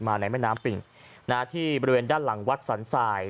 ในแม่น้ำปิ่งที่บริเวณด้านหลังวัดสรรสาย